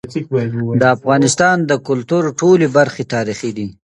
د افغانستان د کلتور ټولي برخي تاریخي دي.